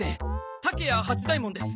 竹谷八左ヱ門です。